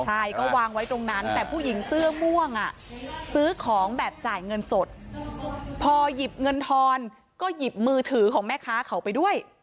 ใช่ก็วางไว้ตรงนั้นแต่ผู้หญิงเสื้อม่วงซื้อของแบบจ่ายเงินสดพอหยิบเงินทอนก็หยิบมือถือของแม่ค้าเขาไปด้วย